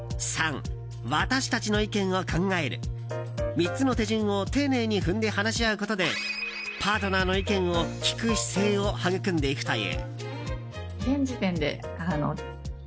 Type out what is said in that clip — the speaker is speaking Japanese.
３つの手順を丁寧に踏んで話し合うことでパートナーの意見を聞く姿勢を育んでいくという。